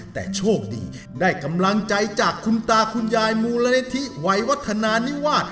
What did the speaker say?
แต่โชคดีได้กำลังใจจากคุณตาคุณยายมูรณทิไหววัฒนานี่ว่า